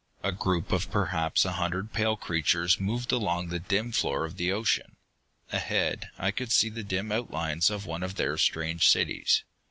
A group of perhaps a hundred pale creatures moved along the dim floor of the ocean. Ahead I could see the dim outlines of one of their strange cities.